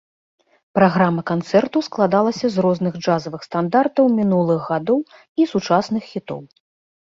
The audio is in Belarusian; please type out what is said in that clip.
Праграма канцэрту складалася з розных джазавых стандартаў мінулых гадоў і сучасных хітоў.